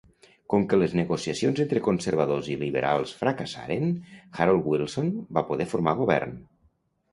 Com que les negociacions entre conservadors i liberals fracassaren, Harold Wilson va poder formar govern.